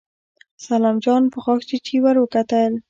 سلام جان په غاښچيچي ور وکتل.